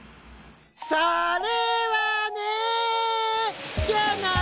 それはね。